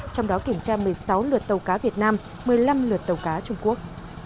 trong đó kiểm tra một mươi sáu lượt tàu cá việt nam một mươi năm lượt tàu cáo trung quốc